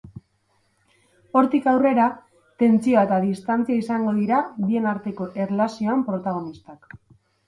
Hortik aurrera, tentsioa eta distantzia izango dira bien arteko erlazioan protagonistak.